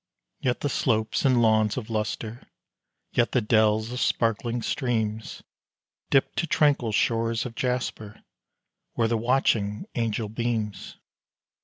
Yet the slopes and lawns of lustre, yet the dells of sparkling streams, Dip to tranquil shores of jasper, where the watching angel beams.